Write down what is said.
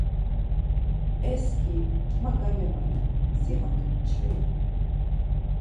E skiri, ma gale malen, si hak mçvi.